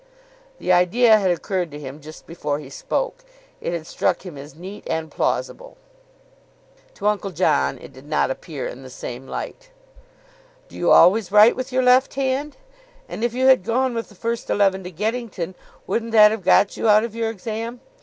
The idea had occurred to him just before he spoke. It had struck him as neat and plausible. To Uncle John it did not appear in the same light. "Do you always write with your left hand? And if you had gone with the first eleven to Geddington, wouldn't that have got you out of your exam?